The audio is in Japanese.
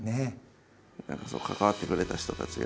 何か関わってくれた人たちが。